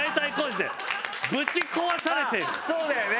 そうだよね。